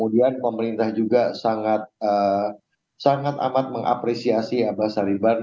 dan pemerintah juga sangat amat mengapresiasi abah sariban